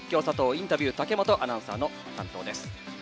インタビュー武本アナウンサーの担当です。